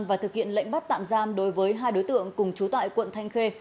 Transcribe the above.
và thực hiện lệnh bắt tạm giam đối với hai đối tượng cùng chú tại quận thanh khê